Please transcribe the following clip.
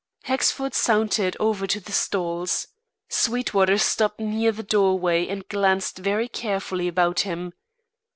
Hexford sauntered over to the stalls. Sweetwater stopped near the doorway and glanced very carefully about him.